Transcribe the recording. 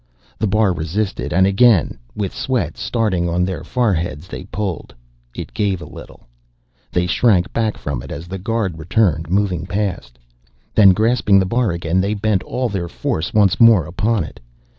The bar resisted and again, with sweat starting on their foreheads, they pulled. It gave a little. They shrank back from it as the guard returned, moving past. Then grasping the bar again they bent all their force once more upon it.